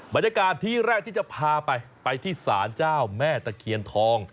บรรยากาศที่แรกที่จะพาไปไปที่ศาลเจ้าแม่ตะเคียนทอง